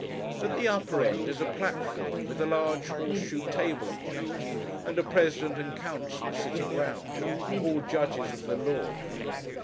At the upper end is a platform, with a large horse shoe table upon it; and a President and Council sitting round—all judges of the Law.